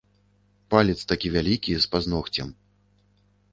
Палец такі вялікі, з пазногцем.